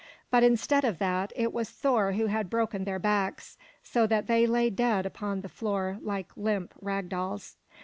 But instead of that, it was Thor who had broken their backs, so that they lay dead upon the floor like limp rag dolls.